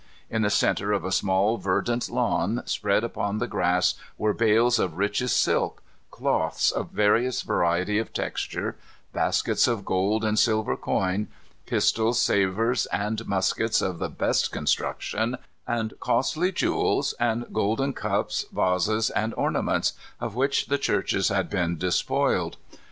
In the centre of a small verdant lawn, spread upon the grass, were bales of richest silk; cloths of great variety of texture; baskets of gold and silver coin, pistols, sabres, and muskets of the best construction, and costly jewels, and golden cups, vases, and ornaments, of which the churches had been despoiled.